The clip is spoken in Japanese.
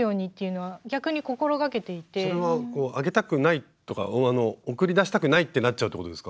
それはあげたくないとか送り出したくないってなっちゃうってことですか？